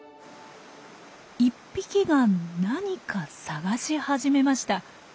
１匹が何か探し始めました。